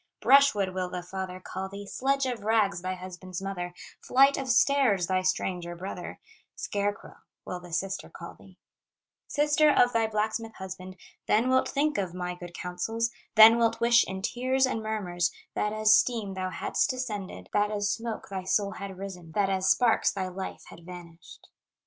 'Brush wood,' will the father call thee, 'Sledge of Rags,' thy husband's mother, 'Flight of Stairs,' thy stranger brother, 'Scare crow,' will the sister call thee, Sister of thy blacksmith husband; Then wilt think of my good counsels, Then wilt wish in tears and murmurs, That as steam thou hadst ascended, That as smoke thy soul had risen, That as sparks thy life had vanished.